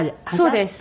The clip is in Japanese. そうです。